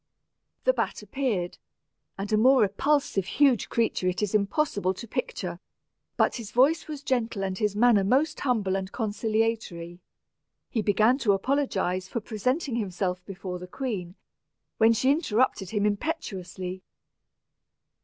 The bat appeared, and a more repulsive huge creature it is impossible to picture; but his voice was gentle and his manner most humble and conciliatory. He began to apologize for presenting himself before the queen, when she interrupted him impetuously.